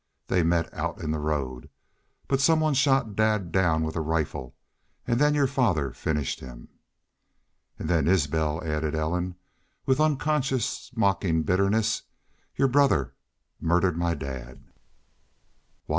They met out in the road.... But some one shot dad down with a rifle an' then your father finished him." "An' then, Isbel," added Ellen, with unconscious mocking bitterness, "Your brother murdered my dad!" "What!"